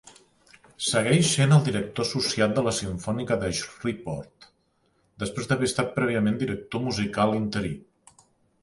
Segueix sent el director associat de la simfònica de Shreveport, després d'haver estat prèviament director musical interí.